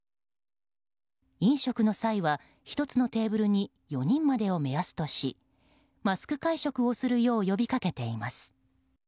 飲食の際は１つのテーブルに４人までを目安としマスク会食をするよう呼びかけています。